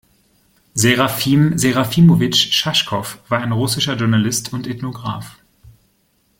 Серафим Серафимович Шашков, war ein russischer Journalist und Ethnograph.